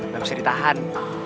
gak bisa ditahan